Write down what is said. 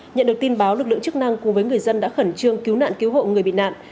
nhận được tin báo lực lượng chức năng cùng với người dân đã khẩn trương cứu nạn cứu hộ người bị nạn